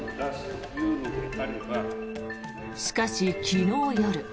しかし、昨日夜。